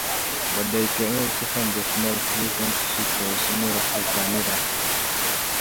They can also find the smell 'pleasant', 'sweet' or 'similar to vanilla'.